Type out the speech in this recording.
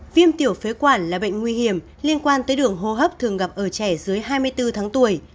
viêm tiểu phế quản là bệnh nguy hiểm liên quan tới đường hô hấp thường gặp ở trẻ dưới hai mươi bốn tháng tuổi